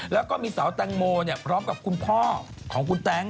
แล้วก็มีสาวแตงโมพร้อมกับคุณพ่อของคุณแต๊ง